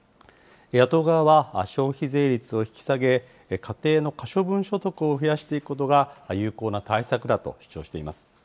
野党側は、消費税率を引き下げ、家庭の可処分所得を増やしていくことが有効な対策だと主張しています。